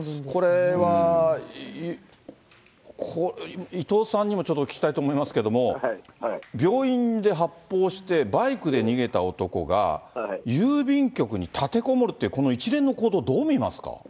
これは、伊藤さんにもちょっとお聞きしたいと思いますけども、病院で発砲して、バイクで逃げた男が、郵便局に立てこもるっていうこの一連の行動、どう見ますか？